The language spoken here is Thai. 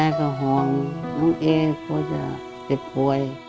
แม่ก็ห่วงน้องเอ๊ยก็จะเจ็บป่วย